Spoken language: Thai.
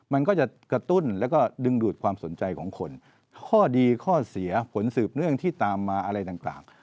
มันก็จะกระตุ้นแล้วก็ดึงดูดความสนใจของคนข้อดีข้อเสียผลสืบเนื่องที่ตามมาอะไรต่าง